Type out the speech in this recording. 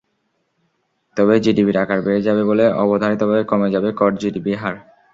তবে জিডিপির আকার বেড়ে যাবে বলে অবধারিতভাবে কমে যাবে কর-জিডিপি হার।